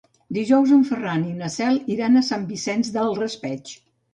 Dijous en Ferran i na Cel iran a Sant Vicent del Raspeig.